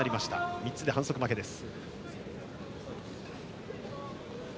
３つで反則負けです。